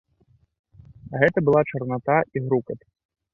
Гэта была чарната і грукат.